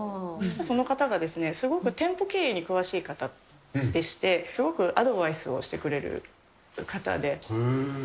その方がすごく店舗経営に詳しい方でして、すごくアドバイスをしてくれる方で。